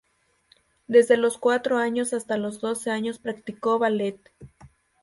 Desde los cuatro años hasta los doce años practicó ballet.